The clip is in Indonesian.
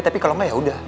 tapi kalau enggak yaudah